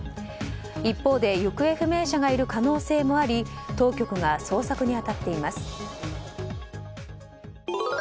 一方で行方不明者がいる可能性もあり当局が捜索に当たっています。